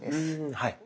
はい。